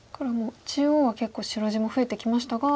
中央は結構白地も増えてきましたが。